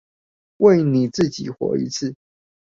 為你自己活一次